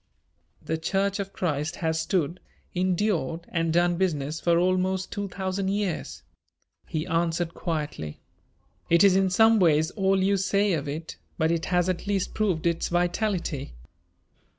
"The Church of Christ has stood, endured and done business for almost two thousand years," he answered quietly. "It is in some ways all you say of it, but it has at least proved its vitality.